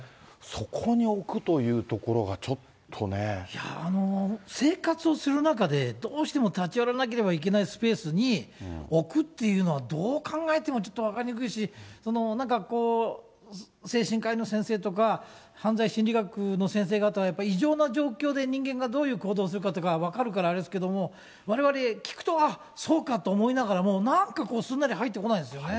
いやー、生活をする中で、どうしても立ち寄らなければいけないスペースに置くっていうのは、どう考えてもちょっと分かりにくいし、なんかこう、精神科医の先生とか、犯罪心理学の先生方は異常な状況で人間がどういう行動をするかとか分かるからあれですけども、われわれ、聞くと、ああそうかと思いながらも、なんかこう、すんなり入ってこないんですよね。